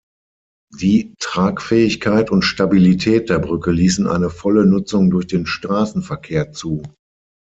Die Tragfähigkeit und Stabilität der Brücke ließen eine volle Nutzung durch den Straßenverkehr zu.